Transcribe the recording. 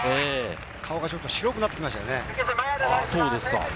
顔がちょっと白くなってきましたね。